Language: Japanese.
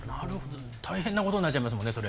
大変なことになっちゃいますよね。